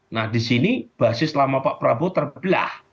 nah di sini basis lama pak prabowo terbelah